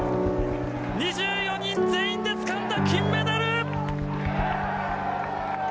２４人全員でつかんだ金メダル。